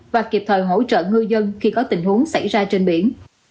và kịp thời hỗ trợ ngư dân khi có tình huống xảy ra trên biển